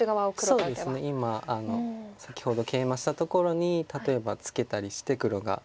そうですね今先ほどケイマしたところに例えばツケたりして黒が。